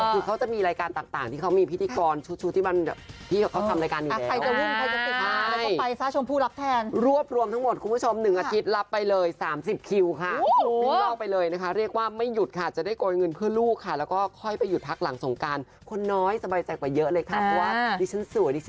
คือเขาจะมีรายการต่างที่เขามีพิธีกรชุดที่มันแบบที่เขาทำรายการอยู่